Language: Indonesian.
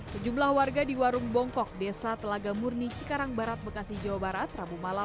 sejumlah warga di warung bongkok desa telaga murni cikarang barat bekasi jawa barat rabu malam